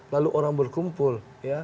lalu orang berkumpul